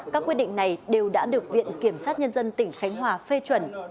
các quyết định này đều đã được viện kiểm sát nhân dân tỉnh khánh hòa phê chuẩn